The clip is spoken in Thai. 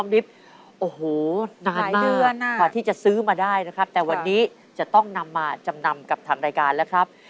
ดีจะซื้อมาได้นะครับแต่วันนี้จะต้องนำมาจำนำกับทางรายการแล้วครับ